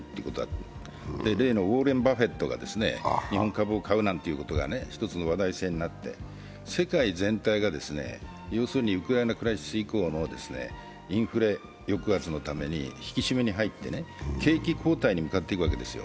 また、ウォーレン・バフェットが日本株を買うなんていうことが一つの話題性にもなって、世界全体がウクライナ・クライシス以降のインフレの引き締めに入って、景気後退に向かっていくわけですよ。